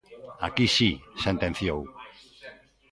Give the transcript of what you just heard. Aquí si, sentenciou.